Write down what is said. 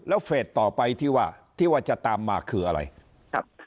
แล้วเฟสต่อไปที่ว่าที่ว่าจะตามมาคืออะไรครับ